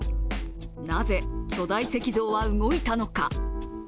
なぜ、巨大石像は動いたのか。